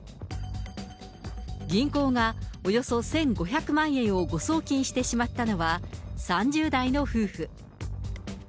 銀行がおよそ１５００万円を誤送金してしまったのは、３０代の夫婦。